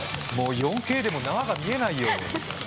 ４Ｋでも縄が見えないよ。